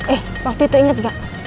eh waktu itu inget gak